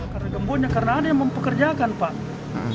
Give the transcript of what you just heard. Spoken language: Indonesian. karena gembongnya karena ada yang mempekerjakan pak